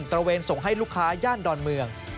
ระเวนส่งให้ลูกค้าย่านดอนเมือง